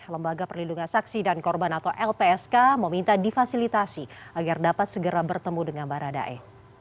lembaga perlindungan saksi dan korban atau lpsk meminta difasilitasi agar dapat segera bertemu dengan baradae